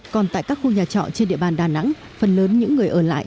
còn tại các khu nhà trọ trên địa bàn đà nẵng phần lớn những người ở lại